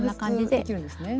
調節できるんですね。